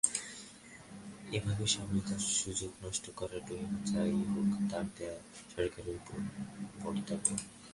এভাবে সমঝোতার সুযোগ নষ্ট করার পরিণতি যা-ই হোক, তার দায় সরকারের ওপরই বর্তাবে।